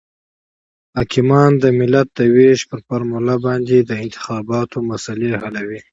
حاکمیان د ملت د وېش پر فارمول باندې د انتخاباتو مسلې حلوي.